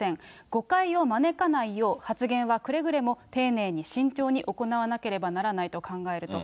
誤解を招かないよう、発言はくれぐれも丁寧に慎重に行わなければならないと考えると。